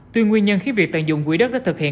tuyên nguyên nhân khi việc tận dụng quỹ đất đã thực hiện